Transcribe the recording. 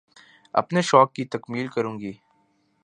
اپنے شوق کی تکمیل کروں گی